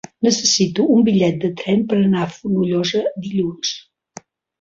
Necessito un bitllet de tren per anar a Fonollosa dilluns.